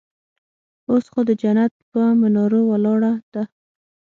اوس خو د جنت پهٔ منارو ولاړه ده